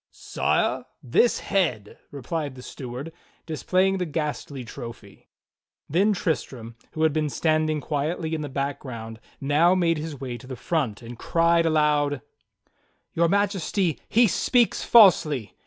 "Sire, this head," replied the steward, displaying the ghastly trophy. Then Tristram, who had been standing quietly in the back ground, now made his way to the front, and cried aloud: "Your Majesty, he. speaks falsely!